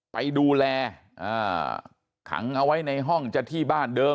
ไปดูแลขังเอาไว้ในห้องจะที่บ้านเดิม